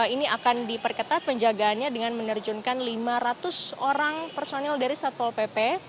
ini akan diperketat penjagaannya dengan menerjunkan lima ratus orang personil dari satpol pp